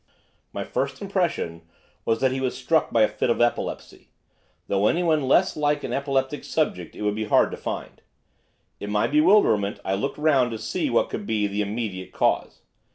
My first impression was that he was struck by a fit of epilepsy, though anyone less like an epileptic subject it would be hard to find. In my bewilderment I looked round to see what could be the immediate cause.